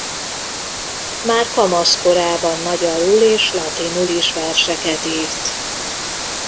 Már kamaszkorában magyarul és latinul is verseket írt.